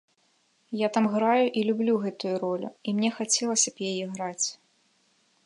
Я там граю і люблю гэтую ролю, і мне хацелася б яе граць.